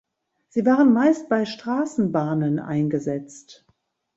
Sie waren meist bei Straßenbahnen eingesetzt.